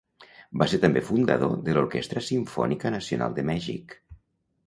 Va ser també fundador de l'Orquestra Simfònica Nacional de Mèxic.